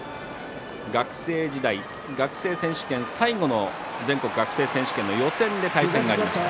学生時代、学生選手権最後の全国学生選手権の予選で対戦がありました。